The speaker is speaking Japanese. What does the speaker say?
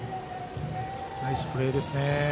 ナイスプレーですね。